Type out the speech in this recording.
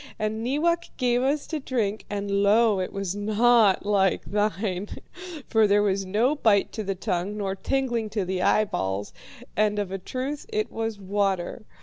And Neewak gave us to drink, and lo, it was not like thine, for there was no bite to the tongue nor tingling to the eyeballs, and of a truth it was water.